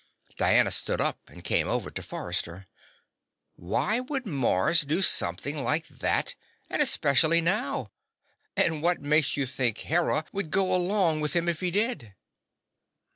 Diana stood up and came over to Forrester. "Why would Mars do something like that and especially now? And what makes you think Hera would go along with him if he did?"